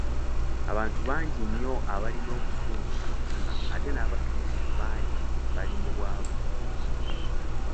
Abantu bangi nnyo abalina obusungu ku mitima ate n’abakirisito bangi bali mu bwavu.